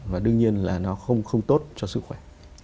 và đương nhiên là nó không tốt cho sức khỏe